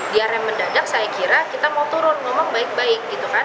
diare mendadak saya kira kita mau turun ngomong baik baik gitu kan